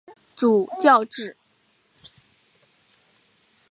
主教制。